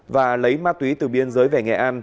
và lấy ma túy từ biên giới về nghệ an